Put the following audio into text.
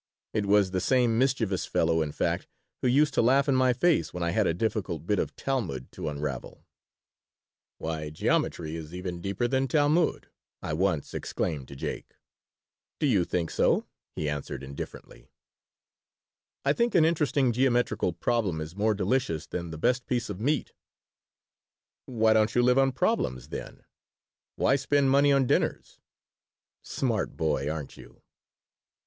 It was the same mischievous fellow, in fact, who used to laugh in my face when I had a difficult bit of Talmud to unravel "Why, geometry is even deeper than Talmud," I once exclaimed to Jake "Do you think so?" he answered, indifferently "I think an interesting geometrical problem is more delicious than the best piece of meat." "Why don't you live on problems, then? Why spend money on dinners?" "Smart boy, aren't you?"